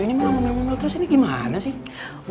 ini minggir minggir terus ini gimana sih